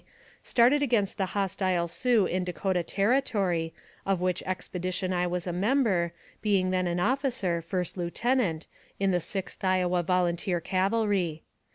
started against the hostile Sioux in Dakota Territory, of which expedition I was a member, being then an officer, First Lieutenant, in the Sixth Iowa Volunteer Cavalry.